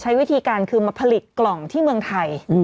ใช้วิธีการคือมาผลิตกล่องที่เมืองไทย